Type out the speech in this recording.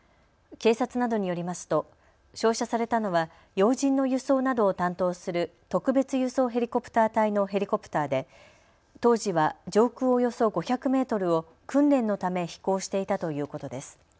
警察などによりますと照射されたのは要人の輸送などを担当する特別輸送ヘリコプター隊のヘリコプターで当時は上空およそ５００メートルを訓練のため飛行していたということです。